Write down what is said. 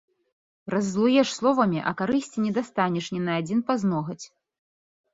Раззлуеш словамі, а карысці не дастанеш ні на адзін пазногаць.